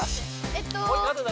えっと。